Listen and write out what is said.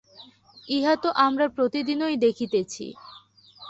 ইহা তো আমরা প্রতিদিনই দেখিতেছি।